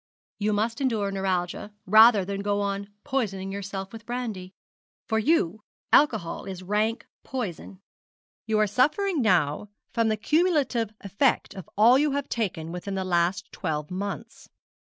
'You must endure neuralgia rather than go on poisoning yourself with brandy. For you alcohol is rank poison you are suffering now from the cumulative effect of all you have taken within the last twelve months.